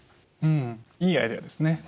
いいアイデアですね。